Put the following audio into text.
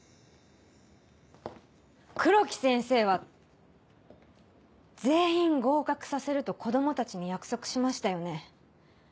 黒木先生は「全員合格させる」と子供たちに約束しましたよね。